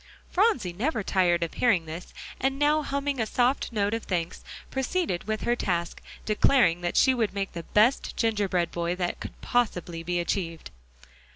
Phronsie never tired of hearing this, and now humming a soft note of thanks, proceeded with her task, declaring that she would make the best gingerbread boy that could possibly be achieved.